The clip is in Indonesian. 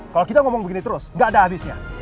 kalau kita ngomong begini terus gak ada habisnya